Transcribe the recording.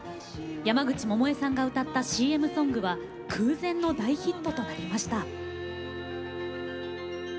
山口百恵さんが歌ったＣＭソングは空前の大ヒットとなりました。